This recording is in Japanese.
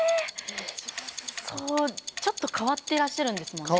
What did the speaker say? ちょっと変わってらっしゃるんですもんね。